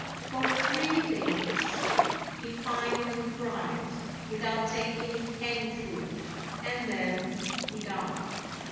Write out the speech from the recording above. For three days he pined and cried, without taking any food, and then he died.